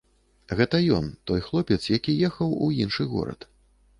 Гэта ён, той хлопец, які ехаў у іншы горад.